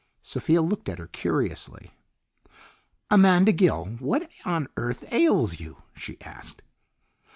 Sophia looked at her curiously. "Amanda Gill, what on earth ails you?" she asked.